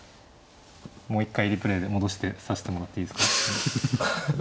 もう一回リプレーで戻して指してもらっていいですか。